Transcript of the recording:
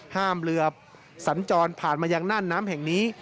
ห้ามเรือสัญจรผ่านมายังน่านน้ำแห่งนี้